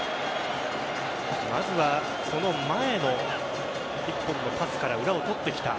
まずはその前の１本のパスから裏を取ってきた。